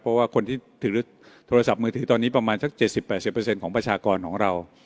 เพราะว่าคนที่ถือโทรศัพท์มือถือตอนนี้ประมาณสัก๗๐๘๐ของประชากรของเรา